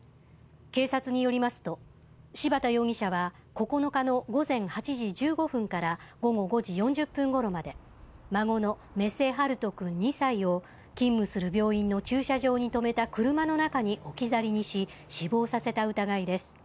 警察によりますと、柴田容疑者は９日の午前８時１５分から午後５時４０分ごろまで孫の目瀬陽翔くん２歳を勤務する病院の駐車場に止めた車の中に置き去りにし、死亡させた疑いです。